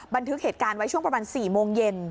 บันทึกเหตุการณ์ไว้ช่วงประมาณ๔โมงเย็น